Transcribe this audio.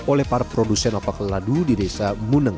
oleh para produsen lapak ladu di desa muneng